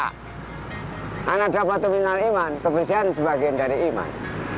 karena dapat memiliki iman kebersihan sebagian dari iman